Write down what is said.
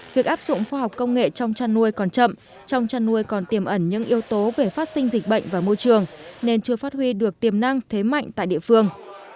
việc áp dụng khoa học công nghệ trong chăn nuôi còn chậm trong chăn nuôi còn tiềm ẩn những yếu tố về phát sinh dịch bệnh và môi trường nên chưa phát huy được tiềm năng thế mạnh tại địa phương